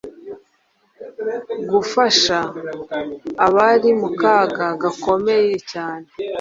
gufasha abari mu kaga gakomeye cyane.